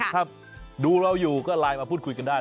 ถ้าดูเราอยู่ก็ไลน์มาพูดคุยกันได้